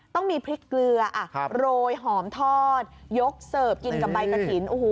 ต้องมีพริกเกลือโรยหอมทอดยกเสิร์ฟกินกับใบกระถิ่น